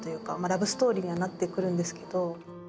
ラブストーリーにはなってくるんですけど。